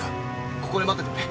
ここで待っててくれ。